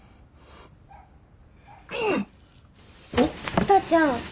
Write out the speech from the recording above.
お父ちゃん。